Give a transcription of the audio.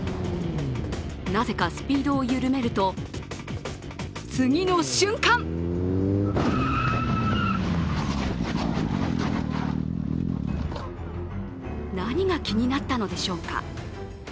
なぜかスピードを緩めると次の瞬間何が気になったのでしょうか。